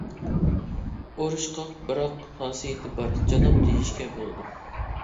ئۇرۇشقاق، بىراق خاسىيىتى بار جاناب دېيىشكە بولىدۇ.